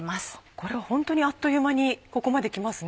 これはホントにあっという間にここまで来ますね。